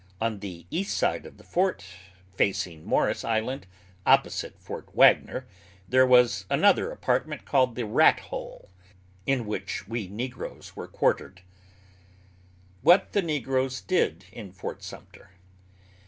On the east side of the fort, facing Morris island, opposite Fort Wagner, there was another apartment called the "Rat hole" in which we negroes were quartered. WHAT THE NEGROES DID IN FORT SUMTER.